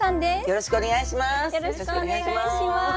よろしくお願いします。